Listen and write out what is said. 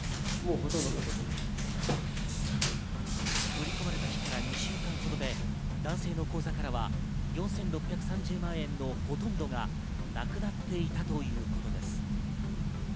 振り込まれた日から２週間ほどで男性の口座からは４６３０万円のほとんどがなくなっていたということです。